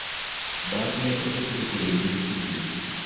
Baatulabudde ku bikolwa eby'effujjo